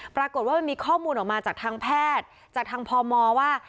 ปรากฏว่ามันมีข้อมูลออกมาจากทางแพทย์จากทางพมว่า